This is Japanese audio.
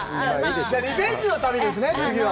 リベンジの旅ですね、次は。